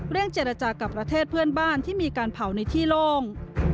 เจรจากับประเทศเพื่อนบ้านที่มีการเผาในที่โล่ง